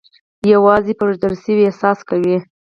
یوازې پرېښودل شوی احساس کوي.